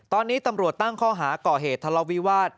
ตอนนี้ตำรวจตั้งข้อหาก่อเหตุทะเลาวิวาส